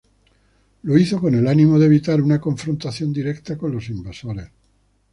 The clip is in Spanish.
Lo hizo con el ánimo de evitar una confrontación directa con los invasores.